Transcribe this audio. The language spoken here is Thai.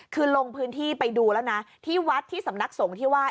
คือลงพื้นที่ไปดูแล้วนะที่วัดที่สำนักสงฆ์ที่ว่า